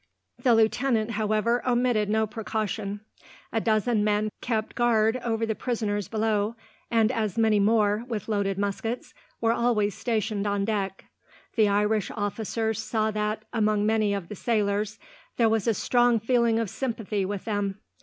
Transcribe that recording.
The lieutenant, however, omitted no precaution. A dozen men kept guard over the prisoners below, and as many more, with loaded muskets, were always stationed on deck. The Irish officers saw that, among many of the sailors, there was a strong feeling of sympathy with them.